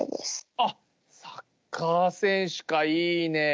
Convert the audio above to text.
あっ、サッカー選手か、いいね。